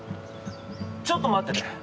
ちょっと待ってて。